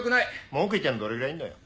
文句言ってんのどれぐらいいんのよ？